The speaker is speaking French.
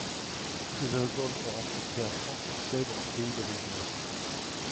Tous ces albums ont rencontré un franc succès dans leur pays d'origine.